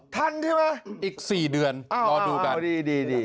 ทันใช่ไหมอีกสี่เดือนอ่ารอดูกันอ่าดีดีดี